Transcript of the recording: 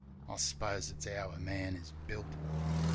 I s'pose it's 'ow a man is built.